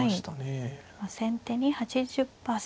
先手に８０％。